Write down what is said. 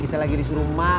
kita lagi di surumak